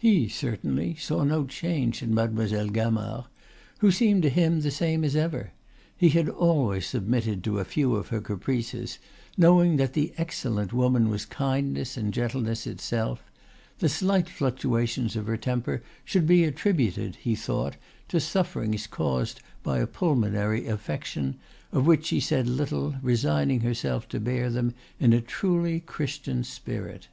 He certainly saw no change in Mademoiselle Gamard, who seemed to him the same as ever; he had always submitted to a few of her caprices, knowing that the excellent woman was kindness and gentleness itself; the slight fluctuations of her temper should be attributed, he thought, to sufferings caused by a pulmonary affection, of which she said little, resigning herself to bear them in a truly Christian spirit."